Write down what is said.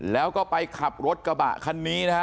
แล้วก็ไปขับรถกระบะคันนี้นะฮะ